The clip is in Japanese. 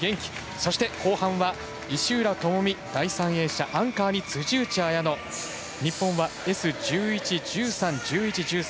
そして、後半は石浦智美、第３泳者アンカーに辻内彩野。日本はＳ１１、Ｓ１３Ｓ１１、Ｓ１３。